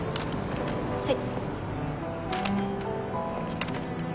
はい。